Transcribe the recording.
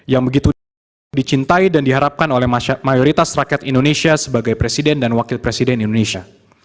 yang begitu dicintai dan diharapkan oleh mayoritas rakyat indonesia sebagai presiden dan wakil presiden indonesia